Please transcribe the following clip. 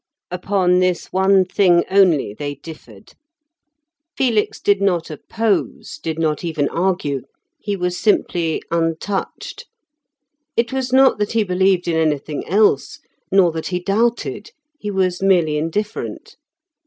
Upon this one thing only they differed; Felix did not oppose, did not even argue, he was simply untouched. It was not that he believed in anything else, nor that he doubted; he was merely indifferent.